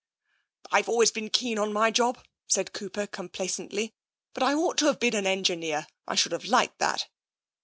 ''I've always been keen on my job," said Cooper complacently, " but I ought to have been an engineer. I should have liked that."